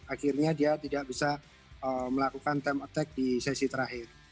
akhirnya dia tidak bisa melakukan time attack di sesi terakhir